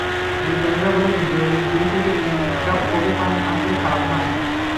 বিজ্ঞানীরা বলছেন, দৈনিক দুই থেকে তিন কাপ কফি পান আসলে খারাপ নয়।